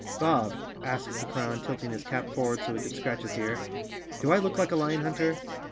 "Bob," asked the clown, tilting his cap forward so he could scratch his ear, "do I look like a lion hunter?"